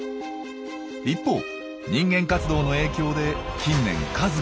一方人間活動の影響で近年数が激減。